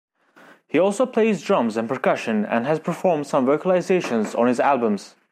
He also plays drums and percussion and has performed some vocalizations on his albums.